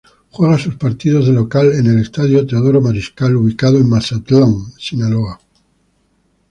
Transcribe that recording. Juega sus partidos de local en el Estadio Teodoro Mariscal, ubicado en Mazatlán, Sinaloa.